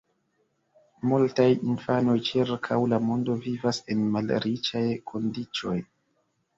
Multaj infanoj ĉirkaŭ la mondo vivas en malriĉaj kondiĉoj.